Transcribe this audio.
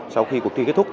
sau khi cuộc thi kết thúc